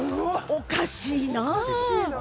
おかしいな。